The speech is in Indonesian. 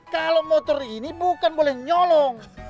kalau motor ini bukan boleh nyolong